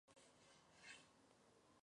La obra es anónima.